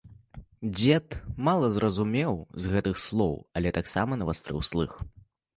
Дзед мала зразумеў з гэтых слоў, але таксама навастрыў слых.